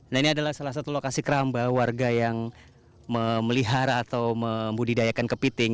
nah ini adalah salah satu lokasi keramba warga yang memelihara atau membudidayakan kepiting